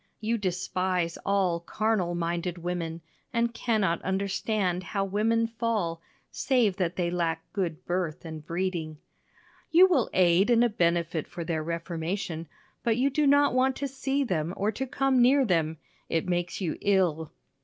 You despise all carnal minded women, and cannot understand how women fall save that they lack good birth and breeding. You will aid in a benefit for their reformation, but you do not want to see them or to come near them. It makes you ill.